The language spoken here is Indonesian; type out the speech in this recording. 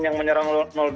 yang menyerang dua